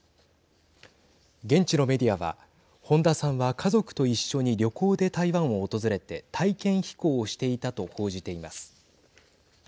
現地のメディアは本田さんは家族と一緒に旅行で台湾を訪れて体験飛行をしていたと報じています。